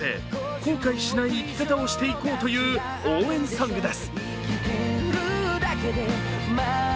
後悔しない生き方をしていこうという応援ソングです。